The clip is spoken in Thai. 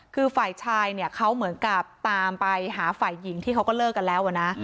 คือฝ่ายชายเนี่ยเขาเหมือนกับตามไปหาฝ่ายหญิงที่เขาก็เลิกกันแล้วนะ